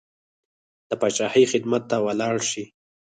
د پاچاهۍ خدمت ته ولاړ شي.